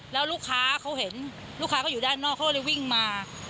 แล้วลูกค้าเขาเห็นลูกค้าเขาอยู่ด้านนอกเขาก็เลยวิ่งมา